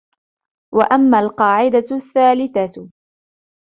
وَأَمَّا الْقَاعِدَةُ الثَّالِثَةُ